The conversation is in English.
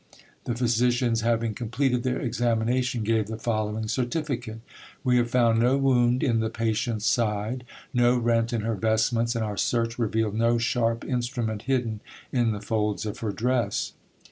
The physicians having completed their examination, gave the following certificate:— "We have found no wound in the patient's side, no rent in her vestments, and our search revealed no sharp instrument hidden in the folds of her dress."